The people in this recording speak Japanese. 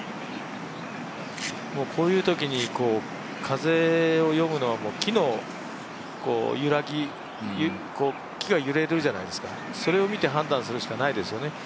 こういうときに風を読むのは木が揺れるじゃないですか、それを見て判断するしかないですよね。